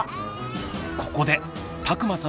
ここで田熊さん